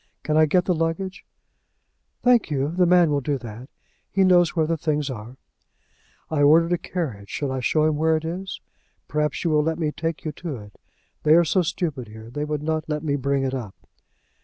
Can I get the luggage?" "Thank you; the man will do that. He knows where the things are." "I ordered a carriage; shall I show him where it is? Perhaps you will let me take you to it? They are so stupid here. They would not let me bring it up."